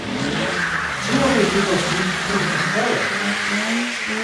Ĉu oni vidos vin tiuvespere?